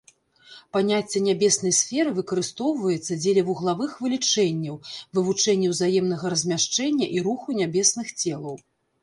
Паняцце нябеснай сферы выкарыстоўваецца дзеля вуглавых вылічэнняў, вывучэння ўзаемнага размяшчэння і руху нябесных целаў.